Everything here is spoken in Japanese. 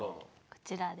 こちらで。